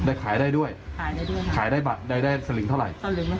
ได้ขายได้ด้วยขายได้ด้วยขายได้บัตรได้ได้สลิงเท่าไหร่